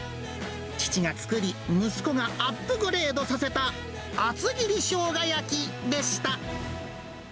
父が作り、息子がアップグレードさせた厚切りショウガ焼きでした。